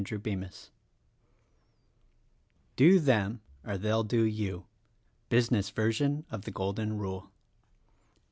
CHAPTER IX. "Do them — or they'll do you !"— Business version of the Golden Rule.